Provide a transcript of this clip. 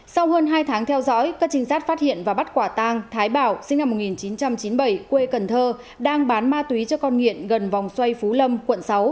sau hơn hai tháng theo dõi các trinh sát phát hiện và bắt quả tang thái bảo sinh năm một nghìn chín trăm chín mươi bảy quê cần thơ đang bán ma túy cho con nghiện gần vòng xoay phú lâm quận sáu